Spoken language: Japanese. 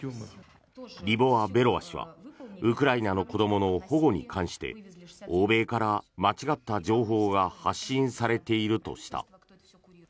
リボワ・ベロワ氏はウクライナの子どもの保護に関して欧米から間違った情報が発信されているとした。